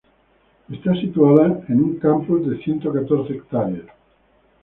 Está situada en un campus de ciento catorce hectáreas.